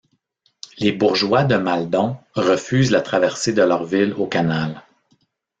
Les bourgeois de Maldon refusent la traversée de leur ville au canal.